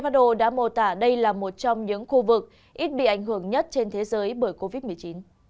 nhưng trong nhiều tháng who đã mô tả đây là một trong những khu vực ít bị ảnh hưởng nhất trên thế giới bởi covid một mươi chín